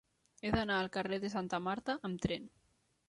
He d'anar al carrer de Santa Marta amb tren.